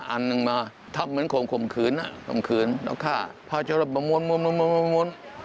อันนึงมาทำเหมือนคมคืนแล้วฆ่าพระเจ้ารับประมวล